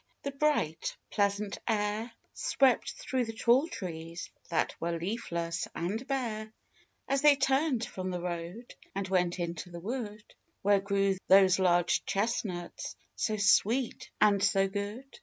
The bright, plea sant air Swept through the tall trees that were leafless and bare, As they turned from the road, and went into the wood, Where grew those large chestnuts, so sweet and so good.